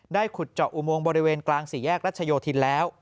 ขุดเจาะอุโมงบริเวณกลางสี่แยกรัชโยธินแล้ว